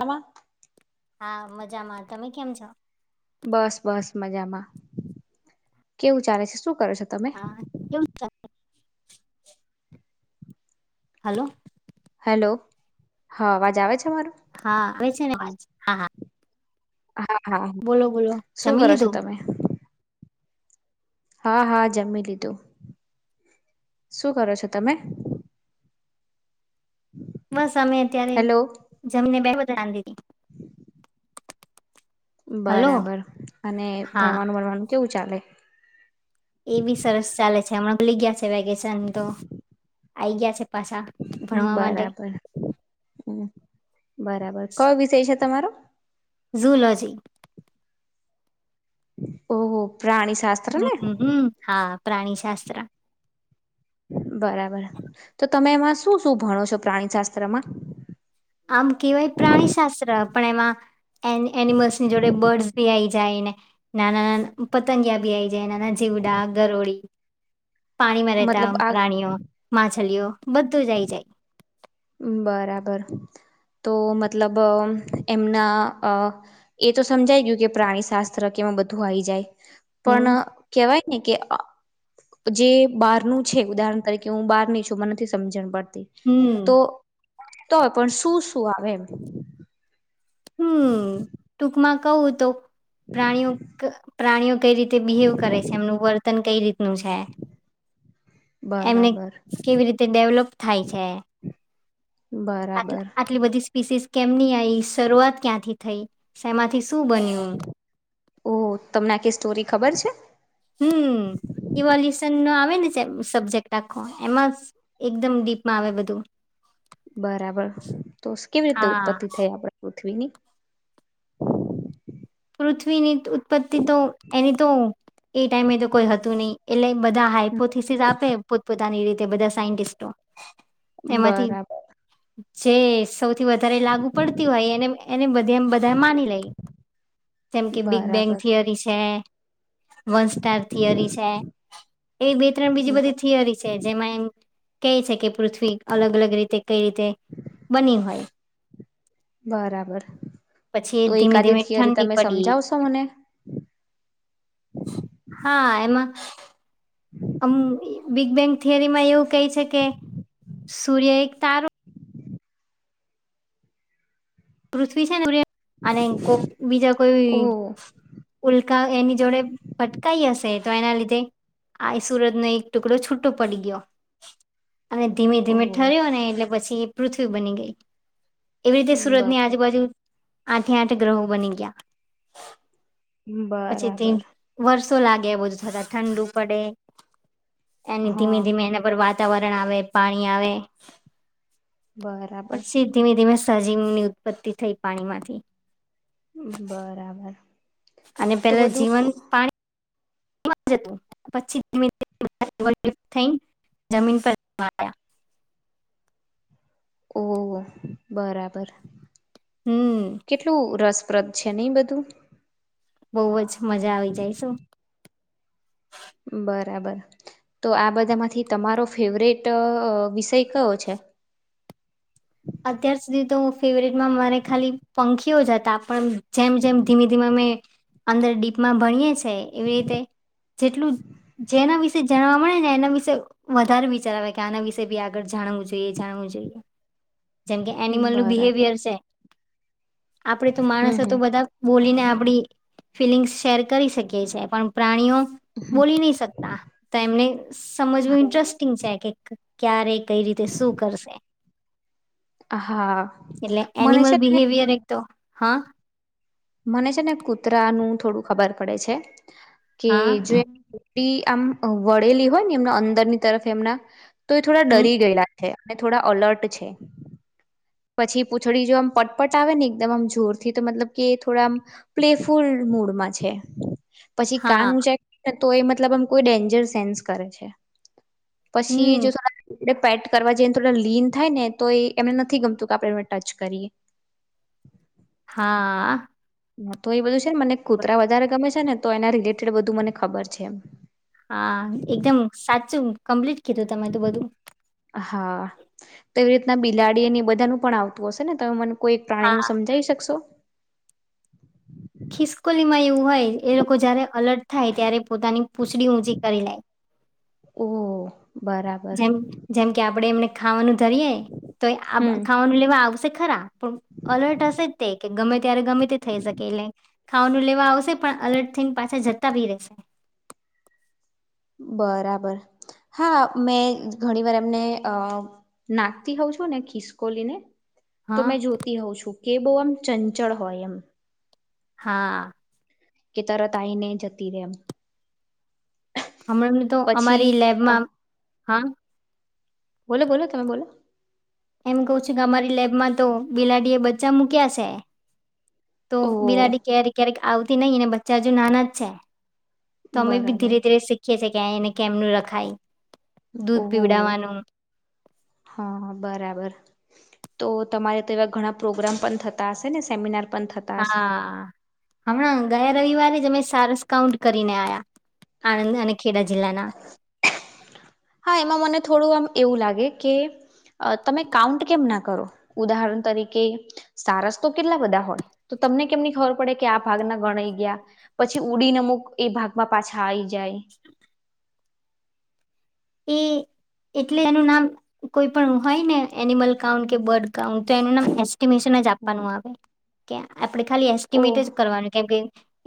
અમા. હા મજામાં તમે કેમ છો. બસ બસ મજામાં કેવું ચાલે છે શું. કરો છો તમે હા કેવ ચા હલો. હેલો હા આવાજ આવે છે મારો. હા આવે છે ને આવાજ હા હા. હા હા બોલો બોલો શું જમી કરો છો લીધું તમે હા હા જમી લીધું શું કરો છો તમે? બસ અમે અત્યારે હેલો જમને બે રાંધી. [inaudible] હલો બરાબર અને હા ભણવાનું ભણવાનું કેવું ચાલે. એ બી સરસ ચાલે છે હમણાકલી ગયા છે વેકેશન તો આઈ ગયા છે પાછા હમમ ભણવા માટે બરાબર હમ બરાબર કયો વિષય છે તમારો ઝુલોજી ઓહ હો પ્રાણી શાસ્ત્ર ને હમ હમ હા પ્રાણીશાસ્ત્ર બરાબર તો તમે એમાં શું શું ભણો છો પ્રાણી શાસ્ત્રમાં આપણેમાં એન એનિમલ્સની જોડે બર્ડ્સ બી આ આવી જાય ને નાના ના પતંગિયા ભી આ આવી જાયના ચીવડા ગરોળી [inaudible] પાણીમાં રહેતા મતલબ આ પ્રાણીઓ માછલીઓ બધું જઈ જાય બરાબર તો મતલબ એમના અ એ તો સમજાઈ ગયું કે પ્રાણી શાસ્ત્ર કે બધું આવી જાય હમ પણ કેવાય ને કે જે બહાર નું છે ઉદાહરણ તરીકે હું બહાર ની છું મને નથી સમજણ પડતી હમ તોય પણ શું શું આવે એમ હમ ટૂકમાં કહુ તો પ્રાણીઓ પ્રાણીઓ કઈ રીતે બિહેવ કરે છે એમનું વર્તન કઈ રીતે છે એમને બરાબર કેવી રીતે ડેવલોપ થાય છે આ બરાબર આટલી બધી પીસીસ કેમની આ શરૂઆત ક્યાંથી થઈ શમાંથી શું બન્યું ઓહ તમને કે સ્ટોરી ખબર છે હમ ઇવોલ્યુશન નો આવે ને જે સબ્જેક્ટ રાખો એમાં એકદમ ડીપમાં આવે બધું બરાબર તો કેવી રીતે હા ઉત્પત્તિ થઈ આપડે [inaudible] પૃથ્વીની ઉત્પત્તિ તો એની તો એ ટાઈમે તો કોઈ હતું નહીિ એટલે બધા હાઈપોથીસસ આપે પોતપતાની રીતે તે બધા સાયન્ટિસ્ટો તેમાંથી બરાબર જે સૌથી વધારે લાગુ પડતી હોય એને એને બધમ બધા માની લઈ જેમ કે બિગ બેંગ બરાબર થિયરી છે વન સ્ટાર થિયરી છે એ બે ત્રણ બીજી બધી થિયરી છે જેમાં એમ ક છે કે પૃથ્વી અલગ અલગ રીતે કઈ રીતે બની હોય બરાબર પછી એ તો ધીમે એકાદી ધીમે થિયરી ઠંડી તમે પડી સમજાવશો મને હા એમાં અમ બિગ બેંગ થિયરીમાં એવું કહે છે કે સૂર્ય એક તારો પૃથ્વી છે ને અને કોક બીજા કોઈ ઓહ ઉલ એની જોડે ફટકાઈ હશે તો એના લીધે આઈ સુરતનોો એક ટુકડો છૂટો પડી ગયો અને ધીમે ધીમે ઓહ ઠર્યો ને એટલે પછી એ પૃથ્વી બની ગઈ એવી સુરત ની બરાબર આજુબાજુ આઠથી આઠ ગ્રહો બની ગયા પછી તે બરાબર વર્ષો લાગે બધું થતા ઠંડુ પડે એ ધીમે હા ધીમે એના પર વાત વાતાવરણ આવે પાણી આવે બરાબર સાજી ની ઉત્પત્તિ થઈ પાણીમાંથી બરાબર અને તો પેલા જીવન બધું પાણી જતું પચીસ મિનિ થઈ જમીન પરયા [inaudible] [unintelligible] ઓ બરાબર હમ કેટલું રસ સ્પદ છે નહી બધું બહુ જ મજા આવી જાયશું બરાબર તો આ બધામાંથી તમારો ફેવરેટ વિષય કયો છે અત્યાર સુધી તો ફેવરેટમાં મારે ખાલી પંખીઓ જ હતા પણ જેમ જેમ ધીમે ધીમે અમે અંદર ડીપમાં ભણીએ છે એવી રીતે જેટલું જેના વિશે જાણવા મળે ને એના વિશે વધારે વિચાર આવે કે આના વિશે બી આગળ જાણવું જોઈએ એ જાણવું જેમ કે એનિમલ નું બરાબર બિહેવિયર છે આપડે તો હમ માણસ હમ તો બધા બોલીને આપડી ફિલિંગ્સ શેર કરી શકીએ છીએ પણ પ્રાણીઓ હમ બોલી નહી શકતા તો એમને સમજવું ઇન્ટરેસ્ટિંગ છે કક ક્યારે કઈ રીતે શું કરશે હા એટલે મને એનિમલ છે ને બિહેવિયર એક તો હા મને છે ને કૂતરાનુંું થોડું ખબર પડે છે કે જો હા આમ વળેલી હોય ને એમના અંદરની તરફ એમના તો એ થોડા હમ ડરી ગયેલા છે અને થોડા અલર્ટ છે પછી પૂછડીી જો આમ પટપટ આવે ને એકદમ આમ જોરથી તો મતલબ કે થોડા પ્લેફુલ મડમાં છે પછી કાન હા ઊંચાઈ તો એ મતલબ આમ કોઈ ડેન્જર સેન્સ કરે છે પછી જો હમ થ એ પેટ કરવા જઈને થોડા લીન થાય ને તો એ એમને નથી ગમતું કે આપણેે એ ટચ કરીએ [unintelligible] [inaudible] હા ના તો એ બધું છે ને મને કૂતરા વધારે ગમે છે ને તો એના રિલેટેડ બધું મને ખબર છેમ હા એકદમ કમ્પ્લીટ કીધું તમે તો બધું હા તો એવી રીતના બિલાડી એ બધાનું પણ આવતું હશે ને તમને કોઈ પ્રાણી નું હા સમજાઈ શકશો ખિસકોલીમાં એવું હોય એ લોકો જયારે અલર્ટ થાય ત્યારે પોતાની પૂછડી ઊચી કરી લેય ઓહ બરાબર જેમ જેમ કે આપણેે એમને ખાવાનું ધરીય તો હમ ખાવાનું લેવા આવશે ખરા પણ અલર્ટ હશે જ તે કે ગમે ત્યારે ગમે તે થઈ શકે એટલે ખાવાનું લેવા આવશે પણ અલર્ટ થઈને પાછા જતા બી રહેશે બરાબર હા મેં ઘણી વાર એમને અ નાખતી હોઉં છો ને ખિસકોલીને તો હા મેં જોતી હોઉં છું કે બહું આમ ચંચળ હોય એમ હા કે તરત આ આવીને જતી રહે એમ હમણાં તો પછી અમારી અ લેબમાં હા બોલો બોલો તમે બોલો એમ કહું છું કે અમારી લેબમાં તો બિલાડી એ બચ્ચા મૂક્યા છે તો ઓહ બિલાડી ક્યારેક ક્યારેક આવતી નહી અને બચ્ચા હજુ નાના જ છે અમે બી બરાબર ધીરે ધીરે શીખીએ છીએ કે એને કેમનું રખાય ઓ દૂધ પીવડાવવાનું હા બરાબર તો તમારે તો એવા ઘણા પ્રોગ્રામ પણ થતા હશે ને સેમિનાર પણ થતા હશે હા હમણાં ગયા રવિવારે [unintelligible] કાઉન્ટ કરીને આયા આનંદ અને ખેડા જિલ્લાના હા એમાં મને થોડું આમ એવું લાગે કે અ તમે કાઉન્ટ કેમ ના કરો ઉદાહરણ તરીકે સારસ તો કેટલા બધા હોય તમને કેમની ખબર પડે કે આ ભાગના ગણાઈ ગયા પછી ઉડીને અમુક એ ભાગમાં પાછા આવી જાય એ એટલે એનું નામ કોઈ પણ હોય ને એનિમલ કાઉન્ટ કે બર્ડ કાઉન્ટ તો એનું નામ એસ્ટિમેશન જ આપવાનું હમ. આવે કે આપણે ખાલી એસ્ટિમેટ ઓહ જ કરવાનું કેમ કે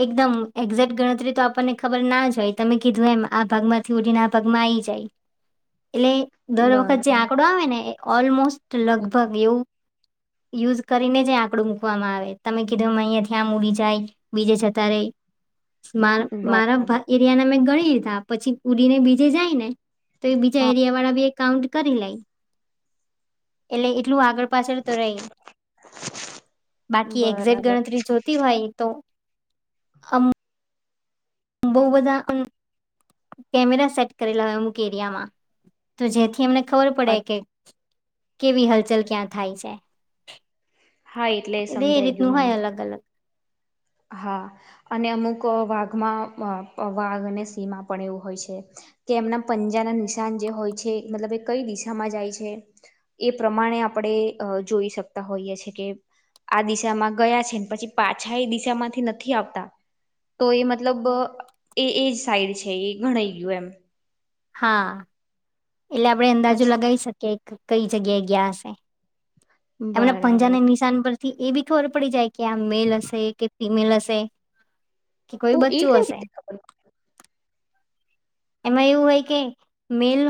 એકદમ એક્ઝેક ગણતરી તો આપણને ખબર ના જ હોય તમે કીધું એમ આ ભાગમાંથી ઉડીને આ ભાગમાં આવી જાય એટલે દર વખત જે બરાબર આંકડો આવે ને એ ઓલમોસ્ટ લગભગ એવું યુઝ કરીને જ આંકડું મૂકવામાં આવે તમે કીધો અહીંયાથી આમ ઉડી જાય બીજે જતારે મા મારા બરાબર એરિયાના મેં ગણી લીધા પછી ઉડીને બીજે જાય ને તો એ બીજા હા એરિયા વાળાબી કાઉન્ટ કરી લે એટલે એટલું આગળ પાછળ તો રહી બાકી એક્ઝેટ બરાબર ગણતરી જોતી હોય તો અમ બહુ બધા કેમેરા સેટ કરેલા હોય અમુક એરિયામાં તો જેથી એમને ખબર પડે કે અચ્છા કેવી હલચલ ક્યાં થાય છે. હા એટલે એ સમજાઈ ગયું રીતનું મને હોય અલગ અલગ હા અને અમુક વાઘમાં વાઘ અને સિંહ પણ એવું હોય છે કે એમના પંજાના નિશાન જે હોય છે મતલબ એ કઈ દિશામાં જાય છે એ પ્રમાણે આપણે જોઈ શકતા હોઈએ છીએ એ કે આ દિશામાં ગયા છે ને પછી પાછા એ દિશા માંથી નથી આવતા તો એ મતલબ એ એજ સાઈડ છે એ ગણાઈ ગયું એમ હા એટલે આપડે અંદાજો પછી લગાવી શકીએ કઈ જગ્યાએ ગયા હશે એમના બરાબર પંજાના નિશાન પર થી એ બી ખબર પડી જાય કે આ મેલ હશે કે ફિમેલ હશે કે કોઈ ઓ એ બચ્ચું કઈ હશે રીતે ખબર એમાં એવું હોય કે મેલ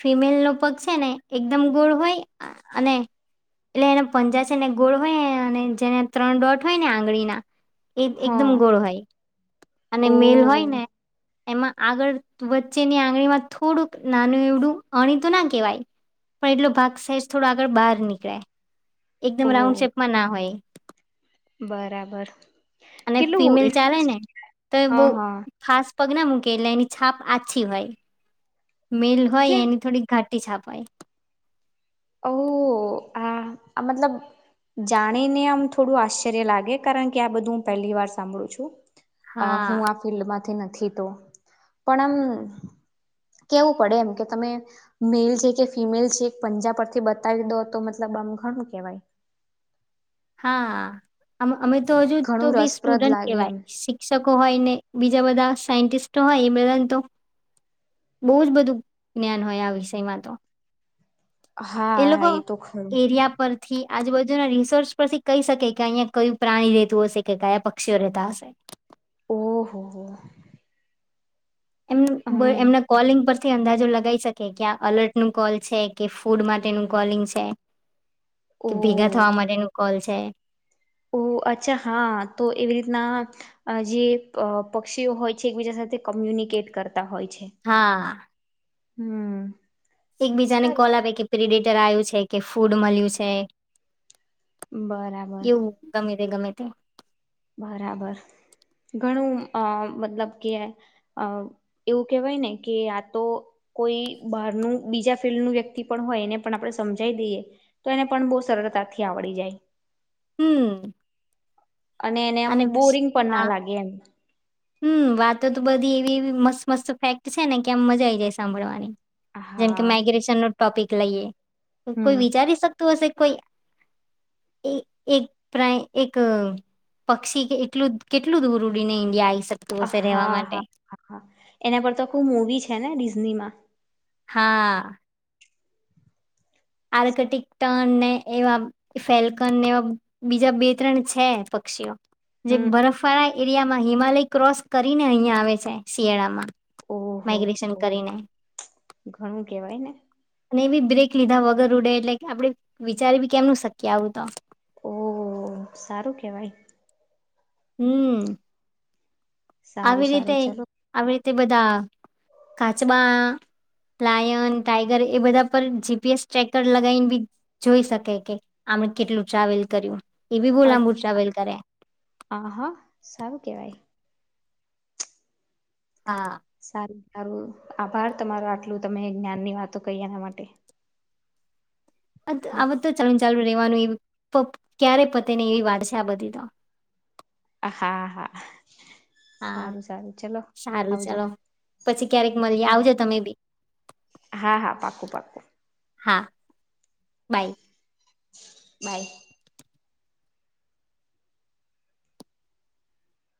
ફિમેલ નો પગ છે ને એકદમ ગોળ હોય અને અને એટલે એને પંજા છે ને ગોળ હોય અને જેને ત્રણ દોટ હોય ને આંગળીના એ પડે? એકદમ હા ગોળ હોય અને ઓ મેલ હોય ને એમાં આગળ વચ્ચેની આંગળી માં થોડુંક નાનું એવડું અણી તોું ના કેહેવાય પણ એટલો ભાગ સાઇઝ થોડો આગળ બહાર નીકળે ઓ એકદમ રાઉન્ડ શેપમાં ના હોય બરાબર અને કેટલું ફિમેલ ચાલે ને ઇન્ટરેસ્ટિંગ તો એ હા બહ હા ફાસ્ટ પગના મૂકે એટલે એની છાપ આછી હોય મેલ હોય કેમ એની થોડી ઘાટ છાપાય ઓ આ મતલબ જાણીને આમ થોડું આશ્ચર્ય લાગે કારણ કે આ બધું હું પહેલી વાર સાંભળું છું અ હા હું આ ફિલ્ડમાંથી નથી તો પણ આમ કેવું પડે એમ કે તમે મેલ છે કે ફિમેલ છે પંજાબ પરથી બતાવી દો તો મતલબ ઘણું કેવાય હા અમે તો હજુ તો ઘણું ભી રસપ્રદ સ્ટુડન્ટ લાગે એમ કેવાય શિક્ષકો હોય ને બીજા બધા સાયન્ટિસ્ટ હોય એ બધાને તો બહુ જ બધું જ્ઞાન હોય આ વિષયમાં તો એ હા લોકો તો ખરું એરિયા પરથી આજુબાજુના રિસોર્સ પરથી કહી શકે કે અહીિયાં કયું પ્રાણી રહેતું હશે કે કયા પક્ષીઓ રહેતા હશે ઓહ હો એમ એમના કોલિંગ પર થી અંદાજો લગાવી શકે કે્યા અલર્ટનું કોલ છે કે ફૂડ માટેનું કોલિંગ છે કે ભેગા થવા માટેનું કોલ છે ઓ અચ્છા હા તો એવી રીતના જે પક્ષીઓ હોય છે એકબીજા સાથે કોમ્યુનિકેટ કર હા હમ એકબીજાને સારું. કોલ આપે કે પ્રિડેટર આવ્યું છે કે ફૂડ મળ્યું છે બરાબર એવું ગમે ગમે તે બરાબર ઘણું અ મતલબ કે અ એવું કેહેવાય ને કે આ તો કોઈ બહારનું બીજા ફિલ્ડનું વ્યક્તિ પણ હોય એને પણ આપણે સમજાઈ દઈએ તો એને પણ બહ સરળ તાથી આવડી જાય હમ અને એને એમ બોરિંગ પણ હા ના લાગે એમ હમ વાતો તો બધી એવી મસ્ત મસ્ત ફેક્ટ છે ને કે આમ મજા આઈ જાય સાંભળવાની જેમકે હા માઈગ્રેશન નો ટોપિક લઈએ તો હમ કોઈ વિચારી શકતું હશે કોઈ એ એક પ્રણી એક પક્ષી એટલું કેટલું દૂર ઉડીને ઇન્ડિયા આ હા હા હા એના પર તો ખુ મવી છે ને ડિઝનીમાં હા આર્કટિક ટન ને એવા ફેલકન ને એવા બીજા બે ત્રણ છે પક્ષીઓ જે હમ બરફવાળા એરિયામાં હિમાલય ક્રોસ કરીને અહિયાં આવે છે શિયાળામાં ઓહો માઇગ્રેશન હો કરીને ઘણું કેવાય ને અને એવી બ્રેક લીધા વગર ઉડે એટલે કે આપડે વિચારી બી કેમનું શક્ય આવું હત ઓહ સારું કેવાય હમ સારું આવી રીતે સારું ચલો આવી રીતે બધા કાચબા લાયન ટાઈગર એ બધા પર જી પી એસ ટ્રેકર લગીને બી જોઈ શકે કે કેટલું ટ્રાવેલ કર્યું એ બી બો લાબુ ટ્રાવેલ કરે આ હા સારું કેવાય હા સારું સારું આભાર તમારો આટલું તમે જ્ઞાન ની વાતો કહી એના માટે અ આવ તો ચાલ ચાલ રેવાનું એ પ ક્યારે પતે ને એવી વાત છે આ બધી તો હા હા હા સારું સારું ચલો સારું આવજો ચાલો પછી ક્યારેક મલીએ હા આવજો હા તમે બી હા હા પાકું પાકું હા બાય બાય